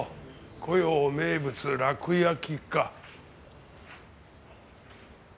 古窯名物楽焼か。